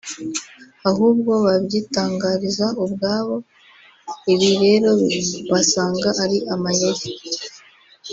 ahubwo babyitangariza ubwabo; ibi rero basanga ari amayeri